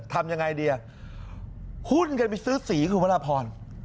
ทำยังไงดีหุ้นกันไปซื้อสีคือพระราพร